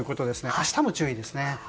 明日も注意ですね。